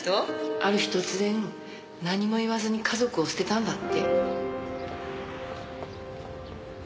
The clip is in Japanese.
ある日突然何も言わずに家族を捨てたんだって。